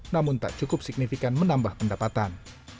namun tak cukup signifikan menambah pendapatan